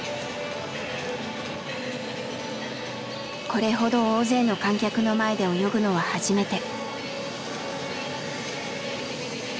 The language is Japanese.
これほど大勢の観客の前で泳ぐのは初めて。